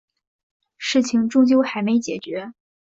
事情终究还没解决